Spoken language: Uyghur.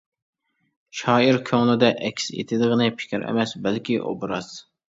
شائىر كۆڭلىدە ئەكس ئېتىدىغىنى پىكىر ئەمەس، بەلكى ئوبراز.